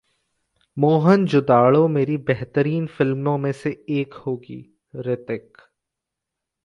मोहन जोदड़ो' मेरी बेहतरीन फिल्मों में से एक होगी: रितिक